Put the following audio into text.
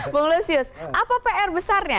pengelusius apa pr besarnya